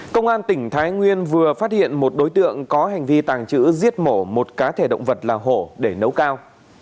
công an tỉnh thái nguyên vừa phát hiện một đối tượng có hành vi tàng trữ giết mổ một cá thể động vật là hổ để nấu cao